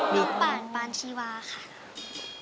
น้องปานปานชีวาค่ะ